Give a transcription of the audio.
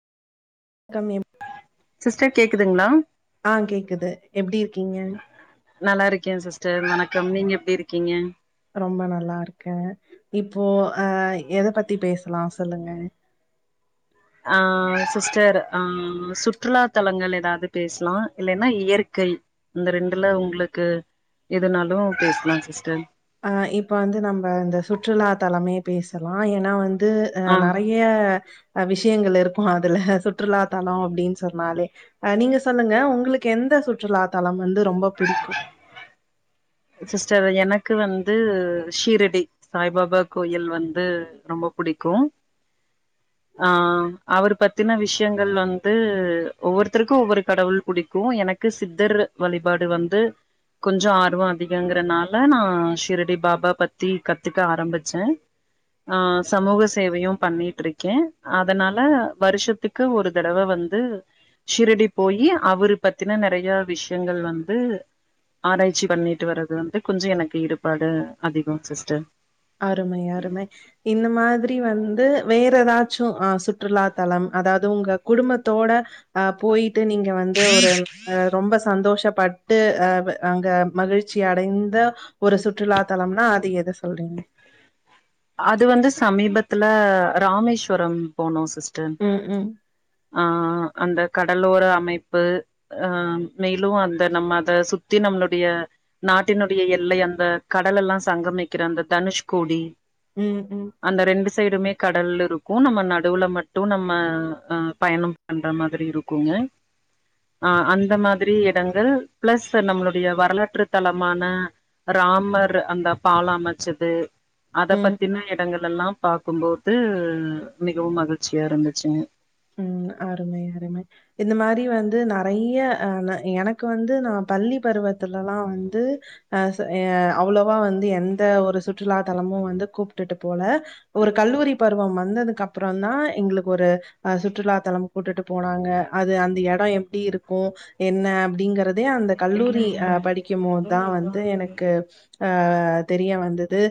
Come எப் sister கேக் க்குதுங்ளா ஆ கேக்குது எப்டி இருக்கீங்க நல்லா இருக்கே சிஸ்டர் வணக்கம் நீங்க எப்டி இருக்கீங்க ரொம்ப நல்லா இருக்க இப்போ அ எத பத்தி பேஸ்சலாஸ் சொல்லுங்க ஆ சிஸ்டர் ஆ சுற்றுலா தலங்கள் ஏதாவது பேஸ்லா இல்லைன்னா இயற்கை அந்த ரெண்டுல உங்களுக்கு எதுனாலு பேஸ்லா சிஸ்டர் ஆ இப்ப வந்து நம்ப இந்த சுற்றுலா தலமே பேசலா ஏன்னா வந் து அ ஆ நறைய அ விஷயங்கள் இருக்கு அதுல சுற்றுலா தலோ அப்டின் சொன்னாலே அ நீங்க சொல்லுங்க உங்களுக்கு எந்த சுற்றுலா தலம் வந்து ரொம்ப பிடிக்கு சிஸ்டர் எனக்கு வந்து ஷீரடி சாய்பாபா கோயில் வந்து ரொம்ப புடிக்கு ஆ அவர் பத்தின விஷ்யங்கள் வந்து ஒவ்வொருத்தருக்கு ஒவ்வொரு கடவுள் புடிக்கு எனக்கு சித்தர் வழிபாடு வந்து கொஞ்சோ ஆர்வோ அதிகங்கறனால நா ஷிரடி பாபா பத்தி கத்துக்க ஆரம்பிச்ச ஆ சமூக சேவையும் பண்ணிட்டு இருக்கே அதனால வருஷத்துக்கு ஒரு தடவ வந்து ஷீரடி போயி அவரு பத்தின நறைய விஷ்யங்கள் வந்து ஆராய்ச்சி பண்ணிட் டு வரது அது வந்து கொஞ்சோ எனக்கு ஈடுபாடு அதிகோங் சிஸ்டர் அருமை அருமை இந்த மாதிரி வந்து வேற எதாச்சு ஆ சுற்றுலாத்தலம் அதாவது உங்க குடும்பத்தோட அ போயிட்டு நீங்க வந்து ஒரு அ ரொம்ப சந்தோஷப் பட்டு அ அங்க மகிழ்ச்சி அடைந்த ஒரு சுற்றுலா தலம்னா அது எத சொல்றீங்க அது வந்து சமீபத்துல ராமேஸ்வரம் போனோ சி ஸ்டர் ம், ம். ஆ அந்தக் கடலோர அமைப்பு ஆ மேலு அந்த நம்ம அத சுத்தி நம்மளுடைய நாட்டினுடைய எல்லை அந்த கடலல்லா சங்கமிக்கிற அந்த தனுஷ்கோடி ம் ம் அந்த ரெண்டு சைடுமே கடல் இருக்கு நம்ம நடுவுல மட்டு நம்ம அ பயணோ பண்ற மாதிரி இருக்குங்க ஆ அந்த மாதிரி எடங்கள் பிளஸ் நம்மளுடைய வரலாற்று தலமான ராமர் அந்த பாலொ அமைச்சது அத ம், ம். பத்தின எடங்கள் எல்லா பாக்கும்போது மிகவும் மகிழ்ச்சியா இருந்துச்சுங்க ம் அருமை அருமை இந்த மாரி வந்து நெறைய்ய அ எனக்கு வந்து நா பள்ளி பருவத்துலல்லா வந்து அ ச ய அவ்ளோவா வந்து எந்த ஒரு சுற்றுலா தலமு வந்து கூப்ட்டுட்டு போல ஒரு கல்லூரி பருவம் வந்ததுக்கு அப்புறந்தா எங்களுக்கு ஒரு அ சுற்றுலா தலம் கூட்டுட்டு போனாங்க அது அந்த எடோ எப்டி இருக்கு என்ன அப்டிங்கற து அந்த கல்லூரி அ படிக்கும்போது தா வந்து எனக்கு ஆ தெரிய வந்தது